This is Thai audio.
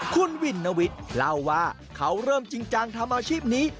คุณวินนวิทย์เล่าว่าเขาเริ่มจริงจังทำอาชีพนี้